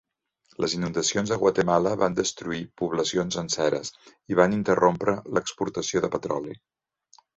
Les inundacions a Guatemala van destruir poblacions senceres i van interrompre l'exportació de petroli.